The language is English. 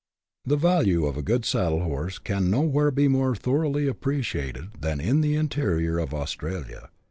The value of a good saddle horse can nowhere be more thoroughly appreciated than in the interior of Australia.